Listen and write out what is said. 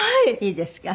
いいですか？